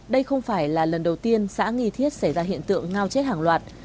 đây không phải là lần đầu tiên xã nghi thiết xảy ra hiện tượng ngao chết hàng loạt